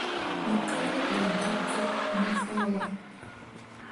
Mo kaa ne ɓu deb kah mo fah wat.